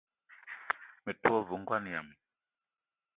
Me te wa ve ngoan yama.